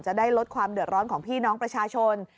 จะได้ลดความเดือดร้อนของพี่น้องประชาชน